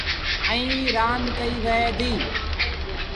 ايٚئيٚن رآند ڪئيٚ وهي ديٚ۔